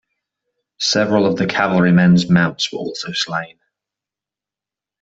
Several of the Cavalrymen's mounts were also slain.